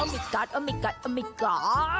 โอ้โฮโอ้โฮโอ้โฮ